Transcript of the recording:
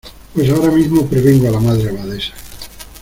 pues ahora mismo prevengo a la Madre Abadesa.